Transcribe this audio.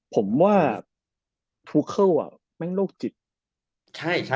ผมว่าทูเคิลอะแม่งโรคจิต